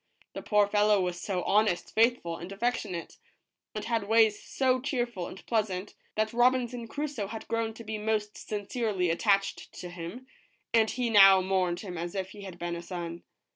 The poor fellow was so honest, faithful, and affectionate, and had ways so cheerful and pleasant, that Robinson Crusoe had grown to be most sincerely attached to him, and he now mourned him as if he had been a son.